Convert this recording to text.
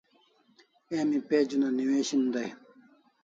Emi page una newishin dai